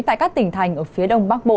tại các tỉnh thành ở phía đông bắc bộ